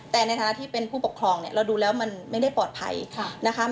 แต่ในฐานะที่เป็นผู้ปกครองเนี่ยเราดูแล้วมันไม่ได้ปลอดภัยนะคะ